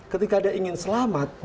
ketika dia ingin selamat